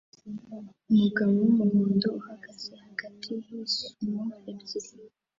Umugabo wumuhondo uhagaze hagati yisumo ebyiri